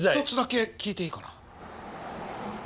一つだけ聞いていいかな？